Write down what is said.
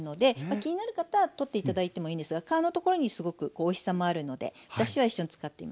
気になる方は取って頂いてもいいんですが皮のところにすごくおいしさもあるので私は一緒に使っています。